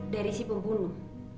dari si pembunuh